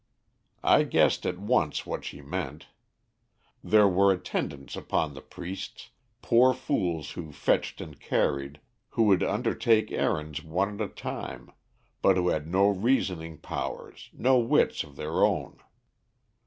"I guessed at once what she meant. There were attendants upon the priests, poor fools who fetched and carried, who would undertake errands one at a time, but who had no reasoning powers, no wits of their own.